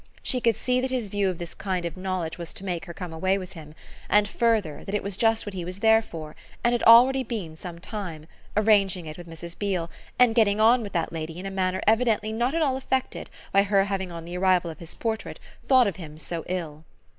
She could see that his view of this kind of knowledge was to make her come away with him, and, further, that it was just what he was there for and had already been some time: arranging it with Mrs. Beale and getting on with that lady in a manner evidently not at all affected by her having on the arrival of his portrait thought of him so ill.